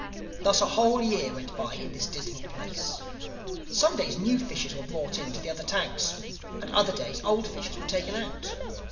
"Thus a whole year went by in this dismal place. Some days new fishes were brought in to the other tanks; and other days old fishes were taken out.